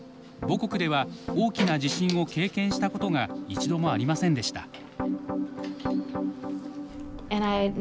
母国では大きな地震を経験したことが一度もありませんでした。